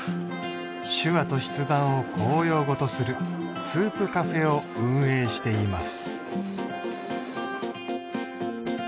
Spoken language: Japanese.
手話と筆談を公用語とするスープカフェを運営しています